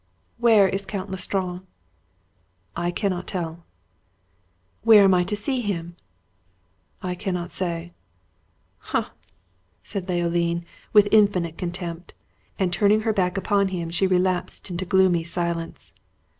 "Where is Count L'Estrange?" "I cannot tell." "Where am I to see him?" "I cannot say." "Ha!" said Leoline, with infinite contempt, and turning her back upon him she relapsed into gloomy silence.